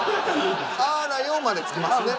あらよまで付きますね。